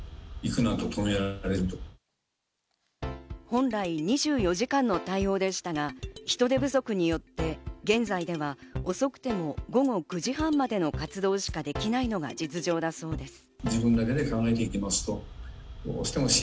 本来２４時間の対応でしたが、人手不足によって現在では遅くても午後９時半までの活動しかできないのが実情だそうです。